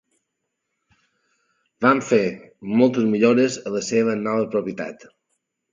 Van fer moltes millores a la seva nova propietat.